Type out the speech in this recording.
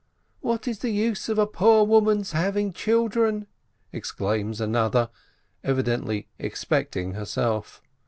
"What is the use of a poor woman's having children ?" exclaims another, evidently "expecting" herself.